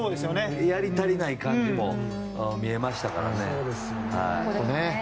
やりたりない感じも見えましたから。